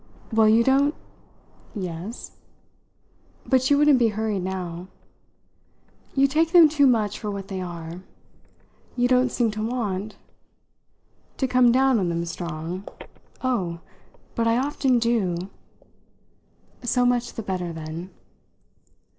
"Well, you don't " "Yes ?" But she wouldn't be hurried now. "You take them too much for what they are. You don't seem to want " "To come down on them strong? Oh, but I often do!" "So much the better then."